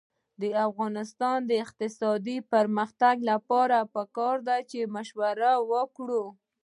د افغانستان د اقتصادي پرمختګ لپاره پکار ده چې مشوره وکړو.